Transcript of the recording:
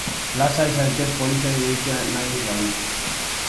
Lasai zaitez poliziari deitzea nahi ez baduzu.